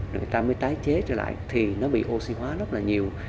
rồi người ta mới tái chế trở lại thì nó bị oxy hóa rất là nhiều